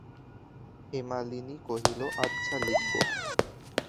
হেমনলিনী কহিল, আচ্ছা, লিখব।